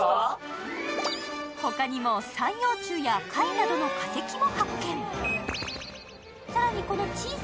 他にも三葉虫や貝などの化石も発見。